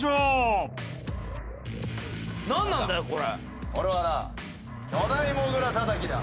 これはな。